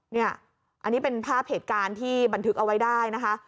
เนี่ยอันนี้เป็นภาพเหตุการณ์ที่บันทึกเอาไว้ได้นะคะ